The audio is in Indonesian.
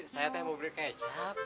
saya mau beli kecap